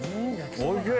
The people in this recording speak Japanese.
おいしい！